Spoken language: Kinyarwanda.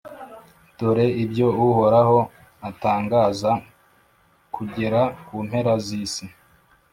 dore ibyo uhoraho atangaza kugera ku mpera z’isi: